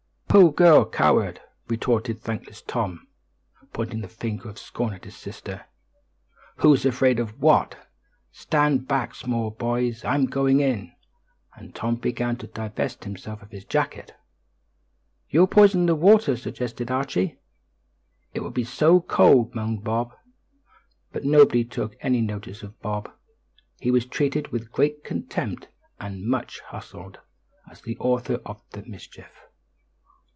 "Pooh! girl! coward!" retorted thankless Tom, pointing the finger of scorn at his sister. "Who's afraid of what? Stand back, small boys, I'm going in," and Tom began to divest himself of his jacket. "You'll poison the water," suggested Archie. "It will be so cold," moaned Bob. But nobody took any notice of Bob; he was treated with great contempt, and much hustled, as the author of the mischief.